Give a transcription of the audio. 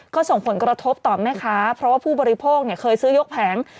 ก็ส่งผลกระทบต่อแม่ค้าเพราะว่าผู้บริโภคเคยซื้อยกแผง